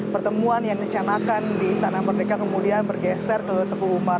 pertemuan yang dicanakan di istana merdeka kemudian bergeser ke teguh umar